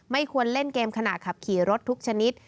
ควรเล่นเกมขณะขับขี่รถทุกชนิด